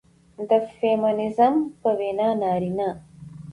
د فيمينزم په وينا نارينه